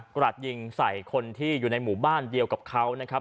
กระดยิงใส่คนที่อยู่ในหมู่บ้านเดียวกับเขานะครับ